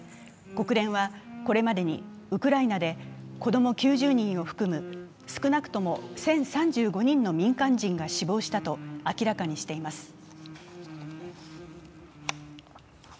国連はこれまでにウクライナで子供９０人を含む少なくとも１０３５人の民間人が死亡したと明らかにしています。